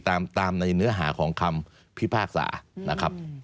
ตามในเนื้อหาของคำพิพากษานะครับ